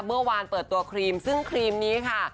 เมื่อวานเปิดตัวครีมซึ่งครีมนี้ค่ะ